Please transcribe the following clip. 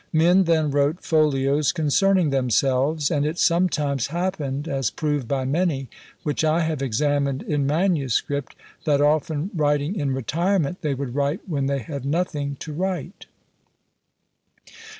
Men then wrote folios concerning themselves; and it sometimes happened, as proved by many, which I have examined in manuscript, that often writing in retirement, they would write when they had nothing to write.